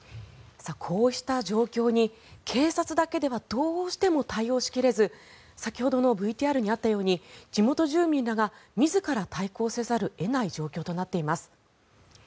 こうした状況に警察だけではどうしても対応しきれず先ほどのＶＴＲにあったように地元住民らが自ら対抗せざるを得ない状況となっています。